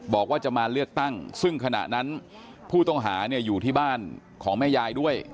บอกว่าจะมาเลือกตั้งซึ่งขณะนั้นผู้ต้องหาเนี่ยอยู่ที่บ้านของแม่ยายด้วย